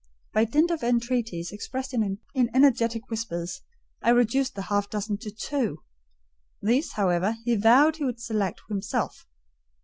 By dint of entreaties expressed in energetic whispers, I reduced the half dozen to two: these however, he vowed he would select himself.